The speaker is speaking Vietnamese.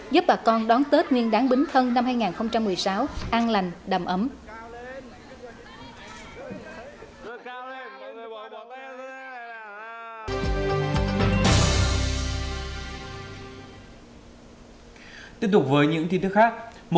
giúp bà con đón tết nguyên đáng bính thân năm hai nghìn một mươi sáu an lành đầm ấm